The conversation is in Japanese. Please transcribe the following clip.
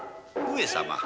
上様